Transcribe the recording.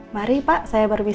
mari pak saya bermisi